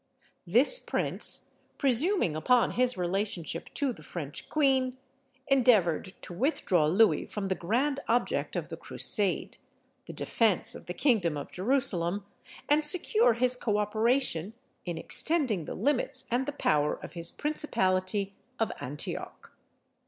This prince, presuming upon his relationship to the French queen, endeavoured to withdraw Louis from the grand object of the Crusade the defence of the kingdom of Jerusalem, and secure his co operation in extending the limits and the power of his principality of Antioch.